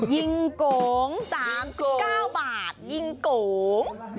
ยิงโก๋งจาก๙บาทยิงโก๋ง